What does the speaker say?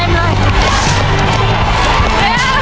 อุ้ยยยังใช้ได้หรือเปรหร่าว